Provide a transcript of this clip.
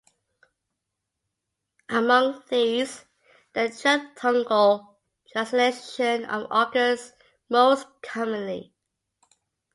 Among these, the triphthongal realization of occurs most commonly.